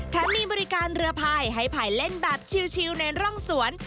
มีบริการเรือพายให้ภายเล่นแบบชิลในร่องสวน